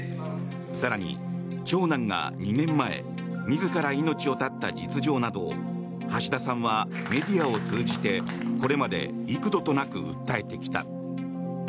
更に、長男が２年前自ら命を絶った実情などを橋田さんはメディアを通じてこれまで幾度となく訴えてきた。